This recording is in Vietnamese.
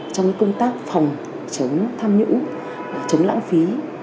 trong công tác phòng chống tham nhũng chống lãng phí